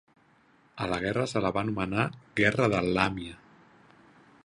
A la guerra se la va anomenar guerra de Làmia.